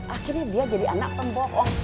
akhirnya dia jadi anak pembohong